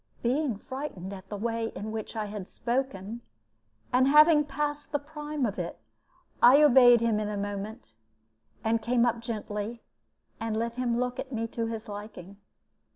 Being frightened at the way in which I had spoken, and having passed the prime of it, I obeyed him in a moment, and came up gently and let him look at me to his liking.